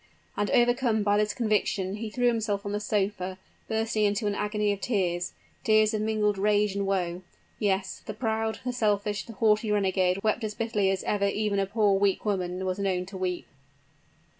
And overcome by this conviction, he threw himself on the sofa, bursting into an agony of tears tears of mingled rage and woe. Yes; the proud, the selfish, the haughty renegade wept as bitterly as ever even a poor, weak woman was known to weep!